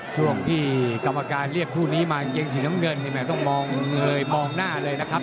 ช่วงที่กรรมการเรียกคู่นี้มากางเกงสีน้ำเงินต้องมองเงยมองหน้าเลยนะครับ